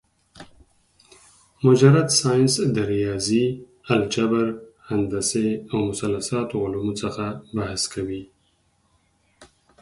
مجرد ساينس د رياضي ، الجبر ، هندسې او مثلثاتو علومو څخه بحث کوي